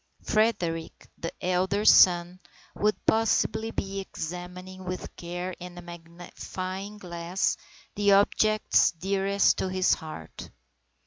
Frederick, the elder son, would possibly be examining with care and a magnifying glass the objects dearest to his heart.